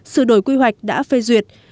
sự đổi quy hoạch đã phê duyệt